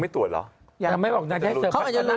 ตัวเธอยังไม่ตรวจหรอ